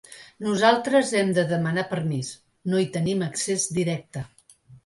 Nosaltres hem de demanar permís, no hi tenim accés directe.